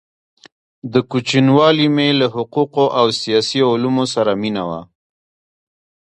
د كوچنیوالي مي له حقو قو او سیاسي علومو سره مینه وه؛